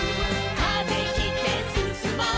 「風切ってすすもう」